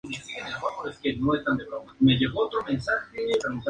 Fue creado para Marvel Comics por Stan Lee y Jack Kirby.